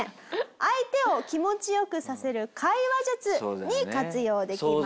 相手を気持ちよくさせる会話術に活用できました。